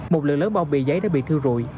một lửa lớn bao bì giấy đã bị thiêu rụi